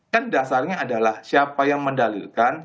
kan dasarnya adalah siapa yang mendalilkan